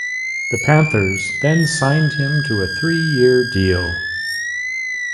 The Panthers then signed him to a three-year deal.